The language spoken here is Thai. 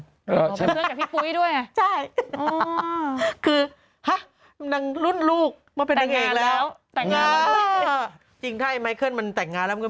กับฉันด้วยคือรุ่นลูกแล้วจริงใช่ไหมเคิลมันแต่งงานแล้วก็